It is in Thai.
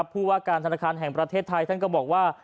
ผู้ว่าการธนาคารแห่งประเทศไทยท่านก็บอกว่า